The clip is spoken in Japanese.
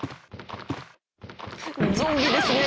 ゾンビですねえ。